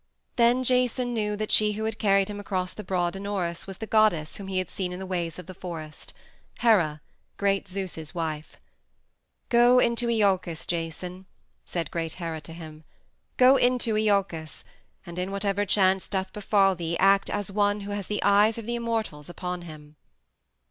Then Jason knew that she who had carried him across the broad Anaurus was the goddess whom he had seen in the ways of the forest Hera, great Zeus's wife. "Go into Iolcus, Jason," said great Hera to him, "go into Iolcus, and in whatever chance doth befall thee act as one who has the eyes of the immortals upon him."